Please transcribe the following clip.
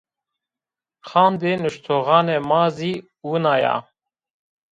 Qandê nuştoxanê ma zî wina ya